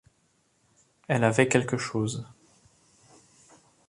Elle avait quelque chose.